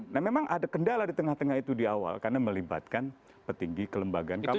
nah memang ada kendala di tengah tengah itu di awal karena melibatkan petinggi kelembagaan kpk